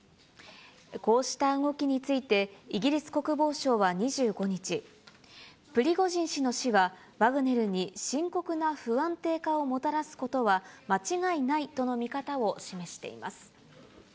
こうした動きについて、イギリス国防省は２５日、プリゴジン氏の死は、ワグネルに深刻な不安定化をもたらすことは間違いないとの見方を示しています。